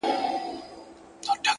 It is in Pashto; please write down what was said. د همدې شپې هېرول يې رانه هېر کړل-